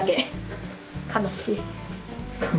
悲しい？